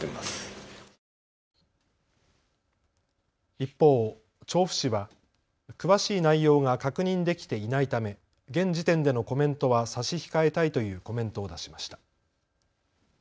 一方、調布市は詳しい内容が確認できていないため現時点でのコメントは差し控えたいというコメントを出しました。